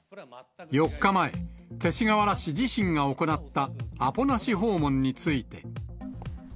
４日前、勅使河原氏自身が行ったアポなし訪問について。